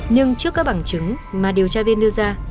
nhưng trước các bằng chứng mà điều tra viên đưa ra